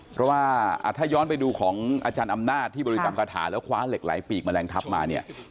เพราะว่าถ้าย้อนไปดูของอาจารย์อำนาจที่บริกรรมคาถาแล้วคว้าเหล็กไหลปีกแมลงทับมาเนี่ย